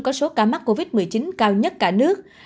có số ca mắc covid một mươi chín cao nhất cả nước